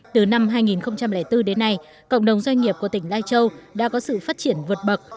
từ năm hai nghìn bốn đến nay cộng đồng doanh nghiệp của tỉnh lai châu đã có sự phát triển vượt bậc